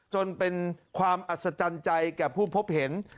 จนเป็นความอัศจรรย์ใจแก่ผู้พบเห็น